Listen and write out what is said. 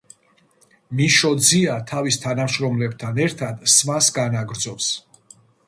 მიშო ძია თავის თანამშრომლებთან ერთად სმას განაგრძობს.